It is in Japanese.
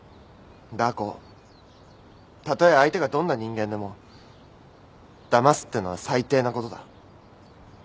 ダー子たとえ相手がどんな人間でもだますってのは最低なことだ。